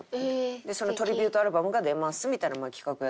でそのトリビュートアルバムが出ますみたいな企画やってて。